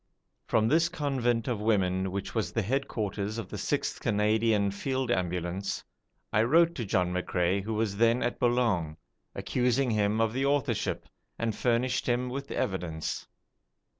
From this convent of women which was the headquarters of the 6th Canadian Field Ambulance, I wrote to John McCrae, who was then at Boulogne, accusing him of the authorship, and furnished him with evidence.